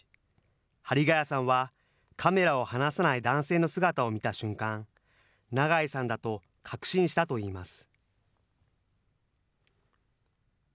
針谷さんはカメラを離さない男性の姿を見た瞬間、長井さんだと確信したといいます。